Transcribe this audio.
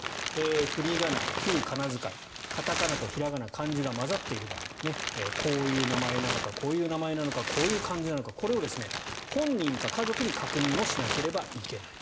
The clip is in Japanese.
振り仮名、旧仮名遣い片仮名と平仮名漢字が混ざっている場合こういう名前なのかこういう名前なのかこういう漢字なのかこれを本人か家族に確認しないといけない。